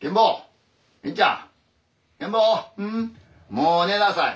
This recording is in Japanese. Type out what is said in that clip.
「もう寝なさい！」